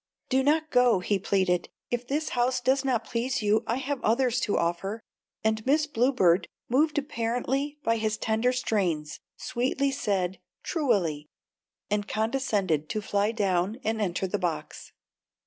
"Do not go," he pleaded; "if this house does not please you I have others to offer," and Miss Bluebird, moved apparently by his tender strains, sweetly said tru al ly and condescended to fly down and enter the box.